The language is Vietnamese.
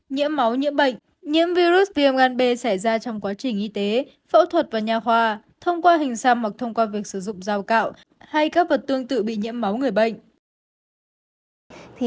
nhiễm máu nhiễm bệnh nhiễm virus viêm gan b xảy ra trong quá trình y tế phẫu thuật và nhà hòa thông qua hình xăm mặc thông qua việc sử dụng rào cạo hay các vật tương tự bị nhiễm máu người bệnh